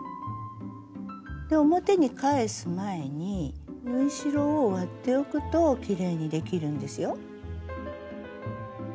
で表に返す前に縫い代を割っておくときれいにできるんですよ。